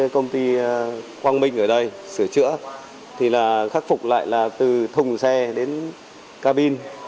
công ty quang minh ở đây sửa chữa thì là khắc phục lại là từ thùng xe đến cabin